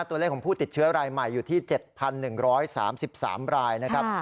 ตัวเลขของผู้ติดเชื้อรายใหม่อยู่ที่๗๑๓๓รายนะครับ